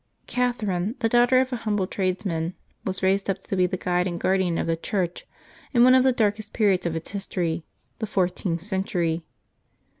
CATHERINE, the daughter of a humble tradesman, was raised up to be the guide and guardian of the Church in one of the darkest periods of its history, the fourteenth century.